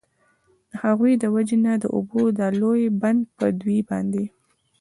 د هغوی د وجي نه د اوبو دا لوی بند په دوی باندي